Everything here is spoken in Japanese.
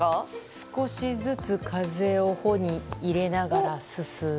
少しずつ風を帆に入れながら進む？